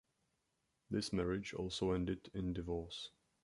This marriage also ended in divorce.